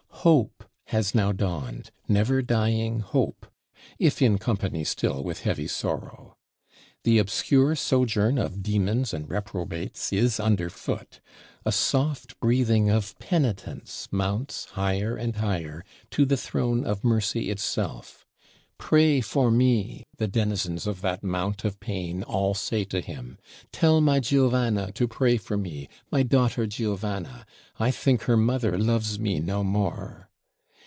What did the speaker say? Hope has now dawned; never dying Hope, if in company still with heavy sorrow. The obscure sojourn of dæmons and reprobates is underfoot; a soft breathing of penitence mounts higher and higher, to the Throne of Mercy itself. "Pray for me," the denizens of that Mount of Pain all say to him. "Tell my Giovanna to pray for me, my daughter Giovanna; I think her mother loves me no more!"